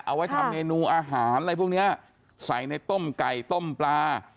เอาไว้ทำเมนูอาหารอะไรพวกเนี้ยใส่ในต้มไก่ต้มปลา